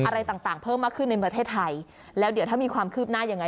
อะไรต่างต่างเพิ่มมากขึ้นในประเทศไทยแล้วเดี๋ยวถ้ามีความคืบหน้ายังไง